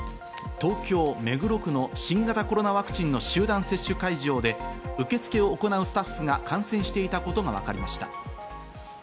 東京・目黒区の新型コロナワクチンの集団接種会場で受付を行うスタッフが感染していたことがわかりました。